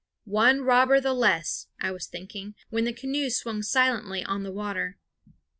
"One robber the less," I was thinking, when the canoe swung slightly on the water.